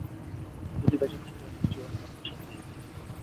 ও যদি বেঁচে থাকে, ও নিশ্চয়ই ওর নাতির সাথে আছে।